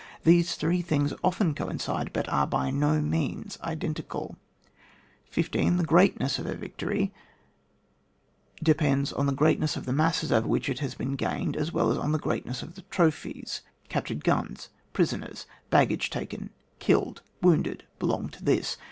These three things often coincide, but are by no means identical. 16. The greatness of a victory depends on the greatness of the masses over which it has been gained, as well as on the greatness of the trophies. Cap tured guns, prisoners, baggage taken, killed, wounded, belong to this.